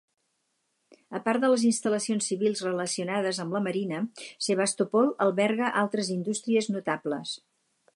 Apart de les instal·lacions civils relacionades amb la marina, Sevastopol alberga altres indústries notables.